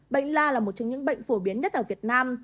bệnh lao là một trong những bệnh phổ biến nhất ở việt nam